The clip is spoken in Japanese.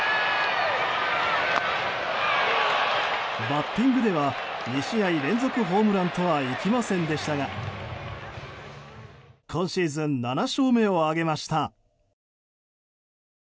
バッティングでは２試合連続ホームランとはいきませんでしたが今シーズン７勝目を挙げました。